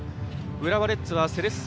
浦和レッズはセレッソ